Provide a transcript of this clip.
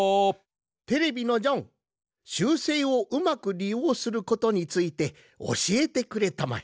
テレビのジョン習性をうまくりようすることについておしえてくれたまえ。